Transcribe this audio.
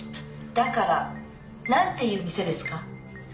だからなんていう店ですか？